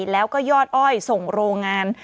แล้วก็ยอดอ้อยส่งโรงงาน